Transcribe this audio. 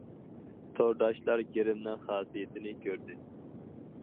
تورداشلار« گىرىمنىڭ خاسىيىتىنى» كۆردى.